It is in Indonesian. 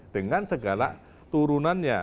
dengan segala turunannya